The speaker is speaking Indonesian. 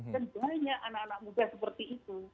dan banyak anak anak muda seperti itu